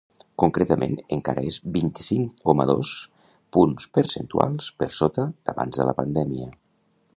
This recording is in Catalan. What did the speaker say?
Concretament, encara és vint-i-cinc coma dos punts percentuals per sota d’abans de la pandèmia.